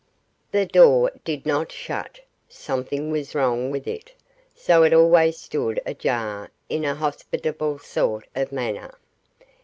The door did not shut something was wrong with it, so it always stood ajar in a hospitable sort of manner.